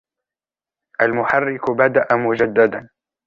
المحرك بدأ مجدداً.